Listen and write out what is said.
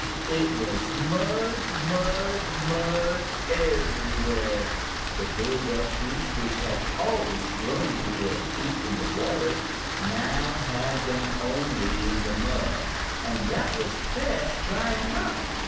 It was mud, mud, mud everywhere! The bulrushes, which had always grown with their feet in the water, now had them only in mud, and that was fast drying up.